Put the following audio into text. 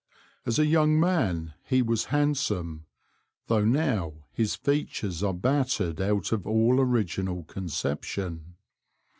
As a young man he was handsome, though now his features are battered out of all original conception.